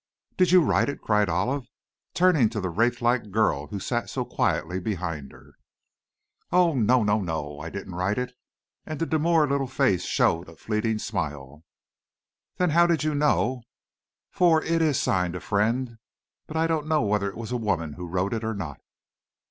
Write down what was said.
"Did you write it?" cried Olive, turning to the wraith like girl who sat so quietly behind her. "Oh, no, no, no! I didn't write it," and the demure little face showed a fleeting smile. "Then how did you know? For it is signed 'A Friend,' but I don't know whether it was a woman who wrote it or not."